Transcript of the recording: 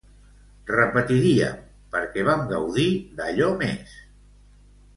Repetiríem, perquè vam gaudir d'allò més!